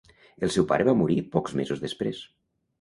El seu pare va morir pocs mesos després.